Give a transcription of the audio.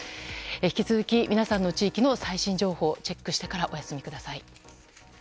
引き続き、皆さんの地域の最新情報をチェックしてからお休みください。